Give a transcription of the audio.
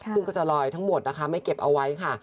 ซึ่งก็จะลอยทั้งหมดนะคะไม่เก็บเอาไว้ค่ะ